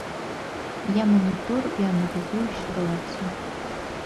Я манітору і аналізую сітуацыю.